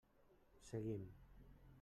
Seguim.